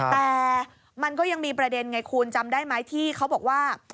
แต่มันก็ยังมีประเด็นไงคุณจำได้ไหมที่เขาบอกว่า